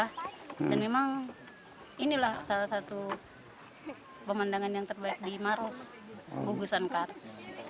dan memang inilah salah satu pemandangan yang terbaik di maros gugusan kars